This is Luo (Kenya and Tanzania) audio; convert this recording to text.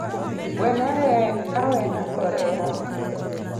Wene awena kore yawa